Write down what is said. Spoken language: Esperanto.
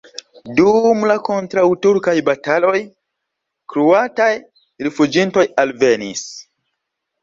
Dum la kontraŭturkaj bataloj kroataj rifuĝintoj alvenis.